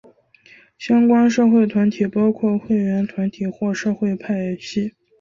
相关社会团体包括会员团体或社会派系。